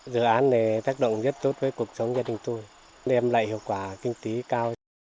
dự án này tác động rất tốt với cuộc sống gia đình tôi đem lại hiệu quả kinh tế cao